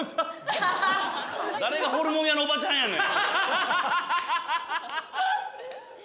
誰がホルモン屋のおばちゃんやねん。